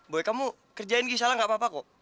boy kamu kerjain gini salah enggak apa apa kok